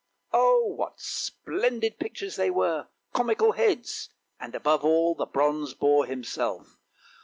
Oh, what splendid pictures they were! comical heads; and above all the bronze boar himself.